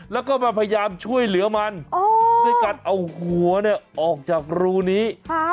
แล้วก็มาพยายามช่วยเหลือมันด้วยการเอาหัวเนี่ยออกจากรูนี้